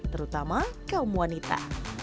terutama kaum wanita